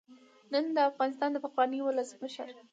نن د افغانستان د پخواني ولسمشر